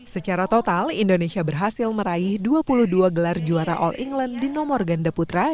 secara total indonesia berhasil meraih dua puluh dua gelar juara all england di nomor ganda putra